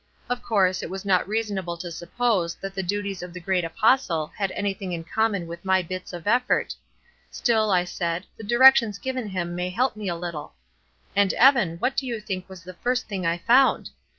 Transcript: Of course, it was not reasonable to suppose that the duties of the great apostle had anything in common with my bits of effort; still, I said, the directions given him may help me a little. And Evan, what do you think was the first thing I found?